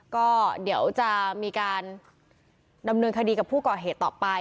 ก็เดี๋ยวจะมีการดำเนินคดีกับผู้ก่อเหตุต่อไป